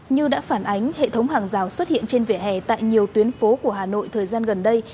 như đã phản ánh hệ thống hàng rào xuất hiện trên vỉa hè tại nhiều tuyến phố của hà nội thời gian gần đây